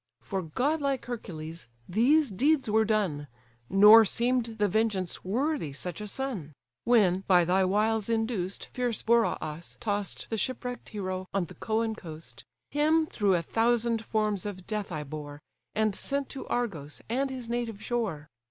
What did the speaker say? For godlike Hercules these deeds were done, Nor seem'd the vengeance worthy such a son: When, by thy wiles induced, fierce Boreas toss'd The shipwreck'd hero on the Coan coast, Him through a thousand forms of death I bore, And sent to Argos, and his native shore.